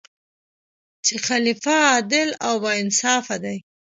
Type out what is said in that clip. چې خلیفه عادل او با انصافه دی.